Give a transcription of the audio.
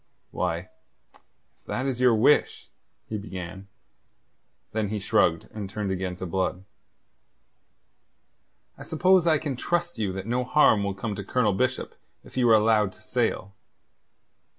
"Why, if that is your wish..." he began. Then he shrugged, and turned again to Blood. "I suppose I can trust you that no harm will come to Colonel Bishop if you are allowed to sail?"